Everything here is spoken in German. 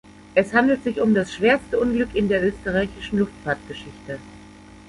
Es handelt sich um das schwerste Unglück in der österreichischen Luftfahrtgeschichte.